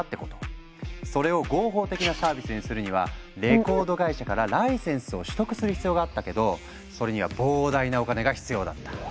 それを合法的なサービスにするにはレコード会社からライセンスを取得する必要があったけどそれには膨大なお金が必要だった。